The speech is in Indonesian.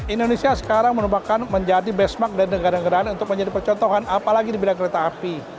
indonesia sekarang merupakan menjadi benchmark dari negara negara untuk menjadi percontohan apalagi di bidang kereta api